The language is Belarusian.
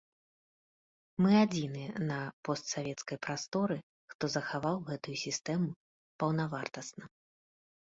Мы адзіныя на постсавецкай прасторы, хто захаваў гэтую сістэму паўнавартасна.